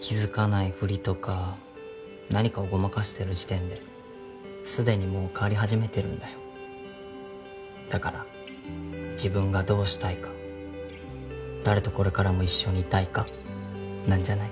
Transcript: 気づかないふりとか何かをごまかしてる時点で既にもう変わり始めてるんだよだから自分がどうしたいか誰とこれからも一緒にいたいかなんじゃない？